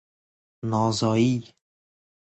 نازایی